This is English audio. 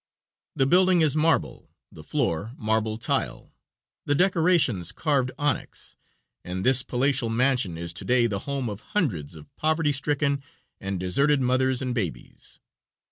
The building is marble, the floor marble tile, the decorations carved onyx, and this palatial mansion is to day the home of hundreds of poverty stricken and deserted mothers and babies.